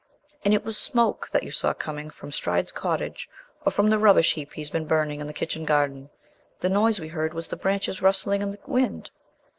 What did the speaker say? "And it was smoke that you saw coming from Stride's cottage, or from the rubbish heaps he's been burning in the kitchen garden. The noise we heard was the branches rustling in the wind.